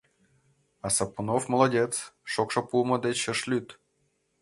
— А Сапунов молодец, шокшо пуымо деч ыш лӱд.